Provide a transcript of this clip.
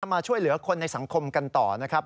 มาช่วยเหลือคนในสังคมกันต่อนะครับ